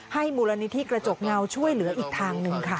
มูลนิธิกระจกเงาช่วยเหลืออีกทางหนึ่งค่ะ